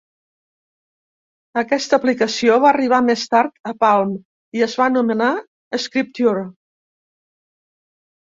Aquesta aplicació va arribar més tard a Palm i es va anomenar Scripture.